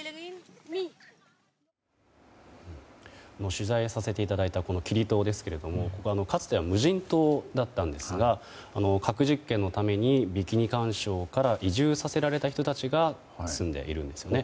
取材させていただいたこのキリ島ですがかつては無人島だったんですが核実験のためにビキニ環礁から移住させられた人たちが住んでいるんですね。